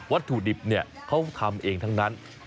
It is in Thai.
ถุดิบเนี่ยเขาทำเองทั้งนั้น